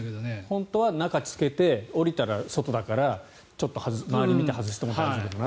本当は中で着けて降りたら、外だからちょっと周りを見て外しても大丈夫だなって。